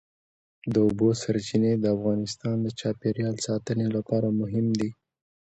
د اوبو سرچینې د افغانستان د چاپیریال ساتنې لپاره مهم دي.